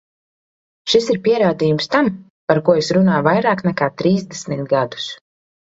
Šis ir pierādījums tam, par ko es runāju vairāk nekā trīsdesmit gadus.